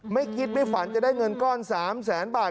ไม่คิดไม่ฝันจะได้เงินก้อน๓แสนบาท